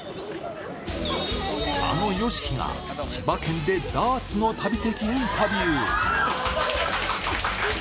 あのＹＯＳＨＩＫＩが、千葉県でダーツの旅的インタビュー。